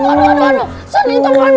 ampun kenapa ayu yang kena sih